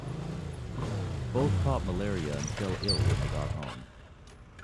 Both caught malaria and fell ill when they got home.